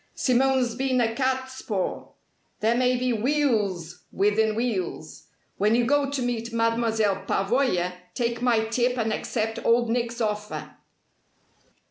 Simone's been a catspaw. There may be wheels within wheels. When you go to meet Mademoiselle Pavoya take my tip and accept Old Nick's offer."